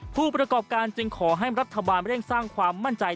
ผู้ประกอบการจึงขอให้รัฐบาลเร่งสร้างความมั่นใจ